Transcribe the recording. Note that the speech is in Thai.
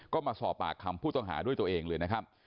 ก็มาสอบปากคำผู้ต้องหาด้วยตัวเองเลยนะครับ